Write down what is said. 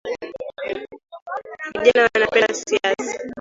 Vijana wanapenda siasa